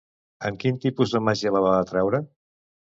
Amb quin tipus de màgia la va atraure?